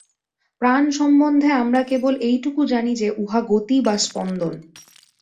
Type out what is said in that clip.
প্রাণ-সম্বন্ধে আমরা কেবল এইটুকু জানি যে, উহা গতি বা স্পন্দন।